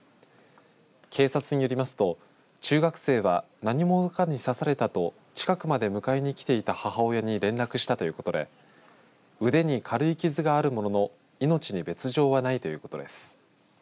警察によりますと中学生は何者かに刺されたと近くまで迎えに来ていた母親に連絡したということで腕に軽い傷があるものの命に別状はないということです。